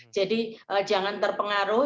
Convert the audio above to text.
jadi jangan terpengaruh